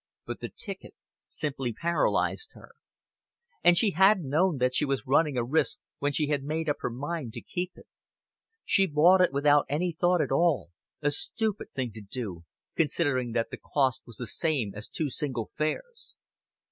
But the ticket simply paralyzed her. And she had known that she was running a risk when she made up her mind to keep it. She bought it without any thought at all a stupid thing to do, considering that the cost was the same as two single fares.